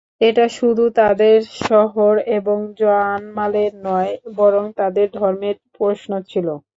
এটা শুধু তাদের শহর এবং জান-মালের নয় বরং তাদের ধর্মের প্রশ্ন ছিল।